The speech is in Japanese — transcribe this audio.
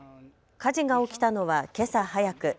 火事が起きたのは、けさ早く。